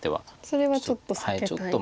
それはちょっと避けたいと。